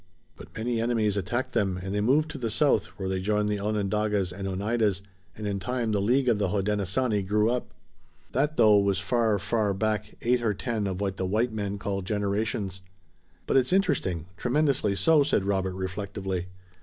But many enemies attacked them and they moved to the south, where they joined the Onondagas and Oneidas, and in time the League of the Hodenosaunee grew up. That, though, was far, far back, eight or ten of what the white men call generations." "But it's interesting, tremendously so," said Robert, reflectively.